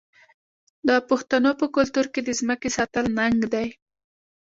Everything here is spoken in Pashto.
د پښتنو په کلتور کې د ځمکې ساتل ننګ دی.